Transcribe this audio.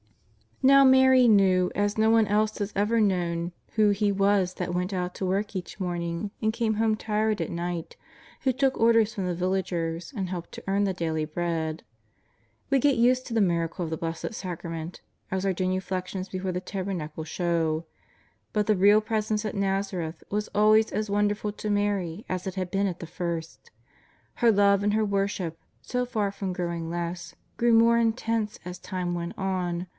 Now Mary knew as no one else has ever known who He was that went out to work each morning and came home tired at night, who took orders from the villagers, and helped to earn the daily bread. We get used to the miracle of the Blessed Sacrament, as our genuflections before the tabernacle show. But the Real Presence at Nazareth was always as wonderful to Mary as It had been at the first. Her love and her worship, so far from growing less, grew more intense as time went on.